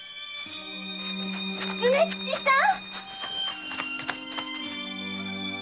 梅吉さん！